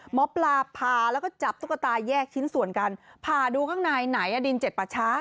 หมอปลาพาแล้วก็จับตุ๊กตาแยกชิ้นส่วนกันผ่าดูข้างในไหนดินเจ็ดประชา